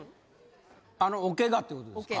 あの桶がってことですか？